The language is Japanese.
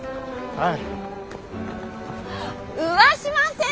はい？